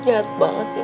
di hidung cewek